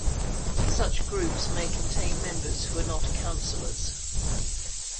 Such groups may contain members who are not councillors.